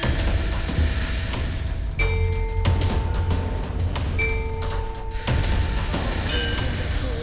yaudah udah udah